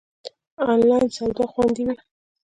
آنلاین سودا خوندی وی؟